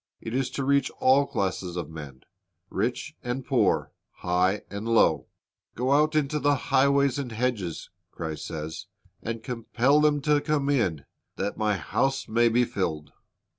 It is to reach all classes of men, rich and poor, high and low. "Go out into the highways and hedges," Christ says, "and compel them to come in, that My house may be filled."